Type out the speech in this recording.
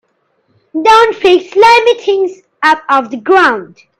Don't pick slimy things up off the ground.